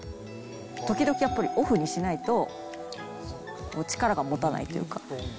時々やっぱりオフにしないと、力がもたないというか。